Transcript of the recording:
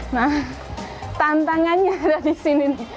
nah tantangannya ada di sini